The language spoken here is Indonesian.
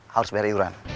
harus bayar iuran